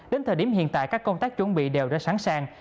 đến thời điểm hiện tại các công tác chuẩn bị đều đã sẵn sàng